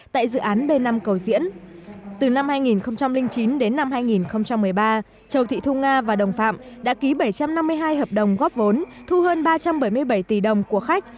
từ năm hai nghìn chín đến năm hai nghìn một mươi ba châu thị thu nga và đồng phạm đã ký bảy trăm năm mươi hai hợp đồng góp vốn thu hơn ba trăm bảy mươi bảy tỷ đồng của khách